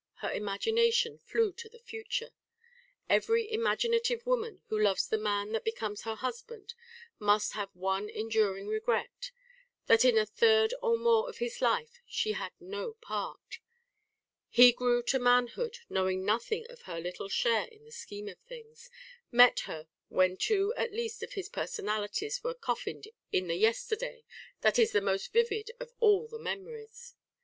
Her imagination flew to the future. Every imaginative woman who loves the man that becomes her husband must have one enduring regret: that in a third or more of his life she had no part; he grew to manhood knowing nothing of her little share in the scheme of things, met her when two at least of his personalities were coffined in the yesterday that is the most vivid of all the memories.